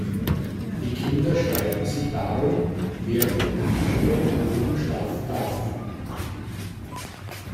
Die Kinder streiten sich darum, wer im Etagenbett oben schlafen darf.